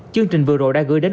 chương trình vừa rồi đã gửi đến